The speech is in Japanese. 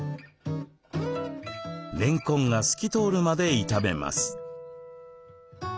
れんこんが透き通るまで炒めます。